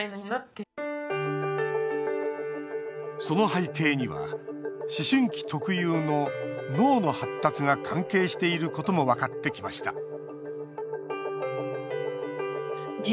その背景には思春期特有の脳の発達が関係していることも分かってきました